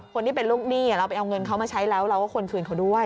คนที่เป็นลูกหนี้เราไปเอาเงินเขามาใช้แล้วเราก็ควรคืนเขาด้วย